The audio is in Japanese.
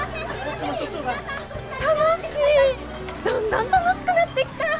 どんどん楽しくなってきた！